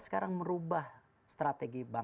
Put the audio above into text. sekarang merubah strategi